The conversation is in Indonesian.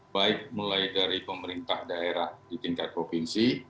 baik mulai dari pemerintah daerah di tingkat provinsi